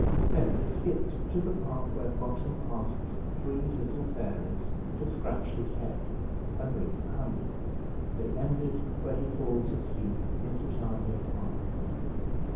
Then they skipped to the part where Bottom asks three little fairies to scratch his head and bring him honey, and they ended where he falls asleep in Titania's arms.